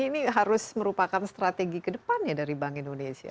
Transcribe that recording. ini harus merupakan strategi ke depannya dari bank indonesia